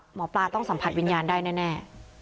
หมอปลาต้องสัมผัสวิญญาณได้แน่